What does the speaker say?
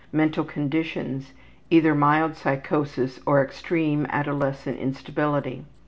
Mental conditions: Either mild psychosis or extreme adolescent instability.